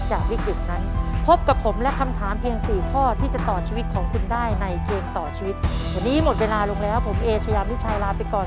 ได้ในเกมต่อชีวิตวันนี้หมดเวลาลงแล้วผมเอชยามนิจฉัยลาไปก่อน